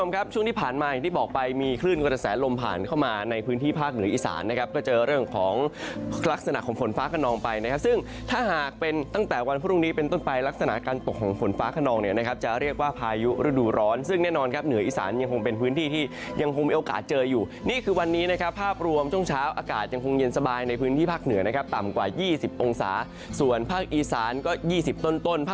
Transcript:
ก็เป็นตั้งแต่วันพรุ่งนี้เป็นต้นไปลักษณะการตกของฝนฟ้าขนองนะครับจะเรียกว่าพายุฤดูร้อนซึ่งแน่นอนครับเหนืออีสานยังคงเป็นพื้นที่ที่ยังคงมีโอกาสเจออยู่นี่คือวันนี้นะครับภาพรวมช่วงเช้าอากาศยังคงเย็นสบายในพื้นที่ภาคเหนือนะครับต่ำกว่า๒๐องศาส่วนภาคอีสานก็๒๐ต้น